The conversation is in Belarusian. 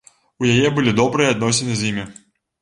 У яе былі добрыя адносіны з імі.